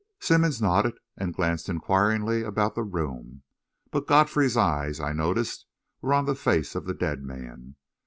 Simmonds nodded, and glanced inquiringly about the room; but Godfrey's eyes, I noticed, were on the face of the dead man.